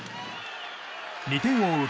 ２点を追う